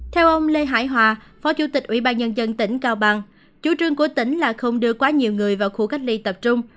theo ông lê hải hòa phó chủ tịch ủy ban nhân dân tỉnh cao bằng chủ trương của tỉnh là không đưa quá nhiều người vào khu cách ly tập trung